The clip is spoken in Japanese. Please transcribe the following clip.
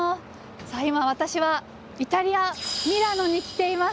さあ今私はイタリアミラノに来ています。